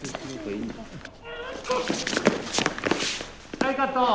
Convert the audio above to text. はいカット。